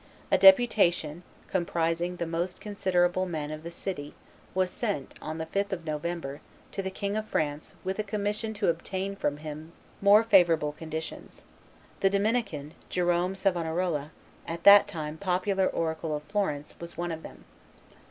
A deputation, comprising the most considerable men of the city, was sent, on the 5th of November, to the King of France with a commission to obtain from him more favorable conditions. The Dominican, Jerome Savonarola, at that time the popular oracle of Florence, was one of them.